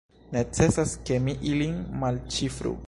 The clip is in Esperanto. Necesas, ke mi ilin malĉifru.